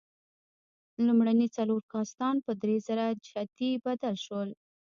لومړني څلور کاستان په درېزره جتي بدل شول.